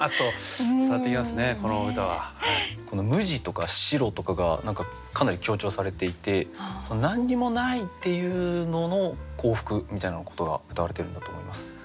「無地」とか「白」とかがかなり強調されていて何にもないっていうのの幸福みたいなことがうたわれているんだと思います。